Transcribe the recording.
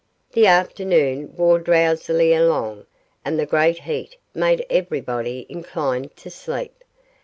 The afternoon wore drowsily along, and the great heat made everybody inclined to sleep.